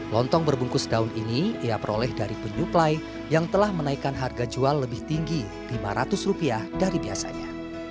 lontong berbungkus daun ini ia peroleh dari penyuplai yang telah menaikkan harga jual lebih tinggi lima ratus rupiah dari biasanya